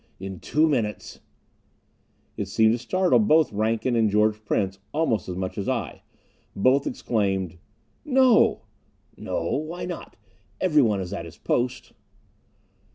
In two minutes " It seemed to startle both Rankin and George Prince almost as much as I. Both exclaimed: "No!" "No? Why not? Everyone is at his post!"